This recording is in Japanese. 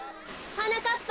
はなかっぱ！